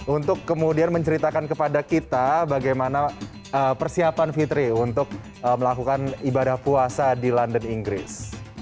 untuk kemudian menceritakan kepada kita bagaimana persiapan fitri untuk melakukan ibadah puasa di london inggris